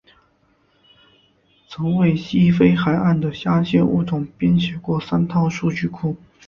曾为西非海岸的虾蟹物种编写过三套数据库。